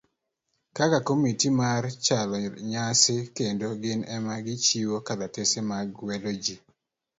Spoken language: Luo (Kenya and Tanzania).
kaka komiti mar chano nyasi kendo gin ema gichiwo kalatese mag gwelo ji